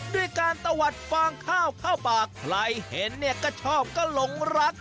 ด้วยการตะวัดฟางข้าวเข้าปากใครเห็นเนี่ยก็ชอบก็หลงรัก